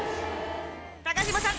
高嶋さん